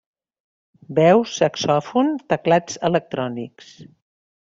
Veus, saxòfon, teclats electrònics.